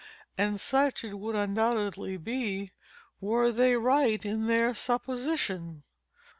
And such it would undoubtedly be, were they right in their supposition.